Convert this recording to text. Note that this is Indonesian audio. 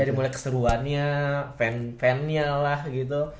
dari mulai keseruannya fan nya lah gitu